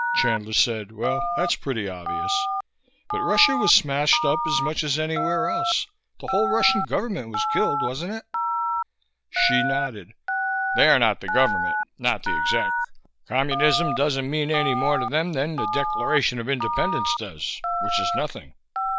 Chandler said, "Well, that's pretty obvious. But Russia was smashed up as much as anywhere else. The whole Russian government was killed wasn't it?" Hsi nodded. "They're not the government. Not the exec. Communism doesn't mean any more to them than the Declaration of Independence does which is nothing.